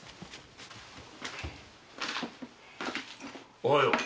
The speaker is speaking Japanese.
おはよう。